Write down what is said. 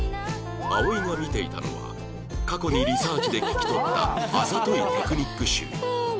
葵が見ていたのは過去にリサーチで聞き取ったあざといテクニック集